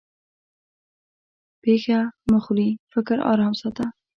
پېښه مه خورې؛ فکر ارام ساته.